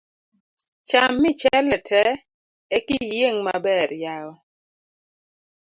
Cham Michele tee ekiyieng' maber yawa.